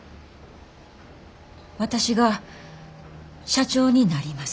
私が社長になります。